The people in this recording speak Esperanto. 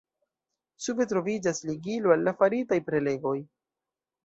Sube troviĝas ligilo al la faritaj prelegoj.